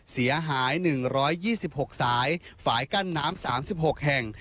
เสียหายหนึ่งร้อยยี่สิบหกสายฝ่ายกั้นน้ำสามสิบหกแห่ง